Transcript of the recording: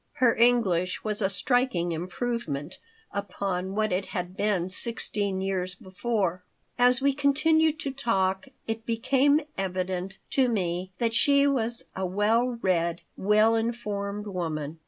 Her English was a striking improvement upon what it had been sixteen years before. As we continued to talk it became evident to me that she was a well read, well informed woman.